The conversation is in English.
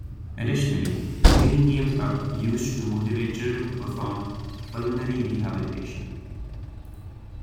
Additionally breathing games are used to motivate children to perform pulmonary rehabilitation.